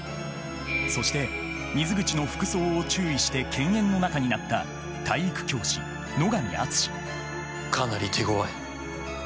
そして水口の服装を注意して犬猿の仲になった体育教師野上厚かなり手ごわい。